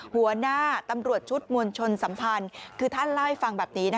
หัวหน้าตำรวจชุดมวลชนสัมพันธ์คือท่านเล่าให้ฟังแบบนี้